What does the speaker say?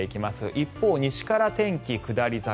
一方、西から天気下り坂。